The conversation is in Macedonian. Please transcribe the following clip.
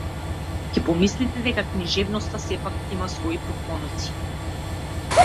Ќе помислите дека книжевноста сепак има свои поклоници.